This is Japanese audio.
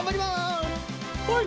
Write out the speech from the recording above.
はい！